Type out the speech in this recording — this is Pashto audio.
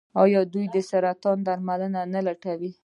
آیا دوی د سرطان درملنه نه لټوي؟